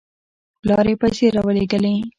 پلار یې پیسې راولېږلې.